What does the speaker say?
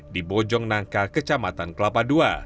di bojongnangka kecamatan tanggerang